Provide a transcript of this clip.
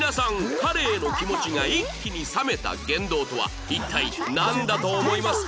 彼への気持ちが一気に冷めた言動とは一体なんだと思いますか？